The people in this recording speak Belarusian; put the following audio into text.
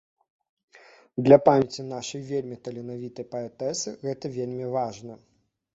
Для памяці нашай вельмі таленавітай паэтэсы гэта вельмі важна.